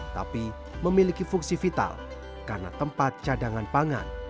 tapi memiliki fungsi vital karena tempat cadangan pangan